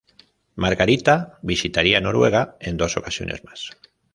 Margarita visitaría Noruega en dos ocasiones más.